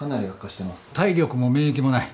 体力も免疫もない。